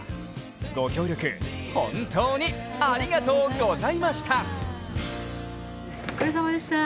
ご協力、本当にありがとうございました。